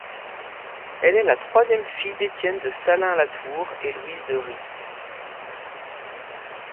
Elle est la troisième fille d'Étienne de Salins-la-Tour et Louise de Rye.